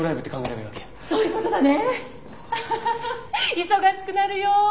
アハハハ忙しくなるよ。